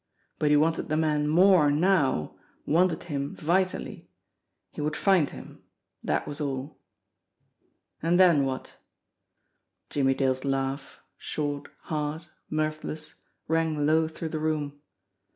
But he wanted the man more now, wanted him vitally. He would find him, that was all! And then, what? Jimmie Dale's laugh, short, hard, mirthless, rang low through the room.